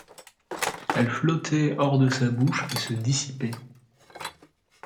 Elles flottaient hors de sa bouche et se dissipaient.